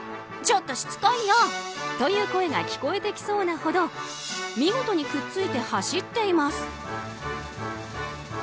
ちょっとしつこいよ！という声が聞こえてきそうなほど見事にくっついて走っています。